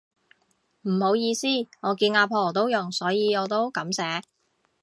唔好意思，我見阿婆都用所以我都噉寫